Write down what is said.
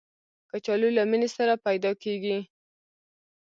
کچالو له مینې سره پیدا کېږي